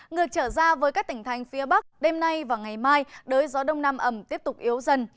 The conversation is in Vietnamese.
ngược trở ra với các tỉnh thành phía bắc đêm nay và ngày mai đới gió đông nam ẩm tiếp tục yếu dần